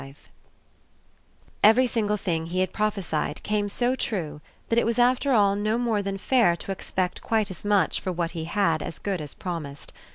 XXV Every single thing he had prophesied came so true that it was after all no more than fair to expect quite as much for what he had as good as promised.